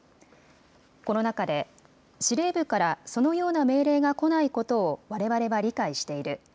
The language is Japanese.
この中で司令部からそのような命令が来ないことをわれわれは理解している。